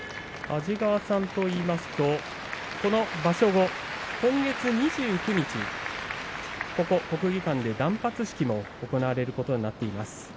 安治川さんといいますとこの場所後、今月２９日ここ国技館で断髪式も行われることになっています。